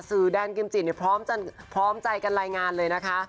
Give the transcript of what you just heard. แดนกิมจิเนี่ยพร้อมใจกันรายงานเลยนะคะ